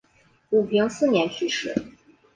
武平四年去世。